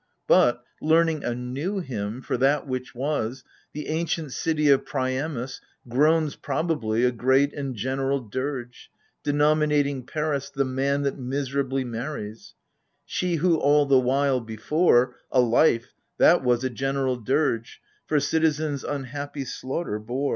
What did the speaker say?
But, learning a new hymn for that which was, The ancient city of Priamos Groans probably a great and general dQe, Denominating Paris " The man that miserably marries :"— She who, all the while before, A life, that was a general dirge For citizens' unhappy slaughter, bore.